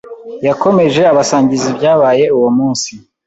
Yakomeje abasangiza ibyabaye uwo munsi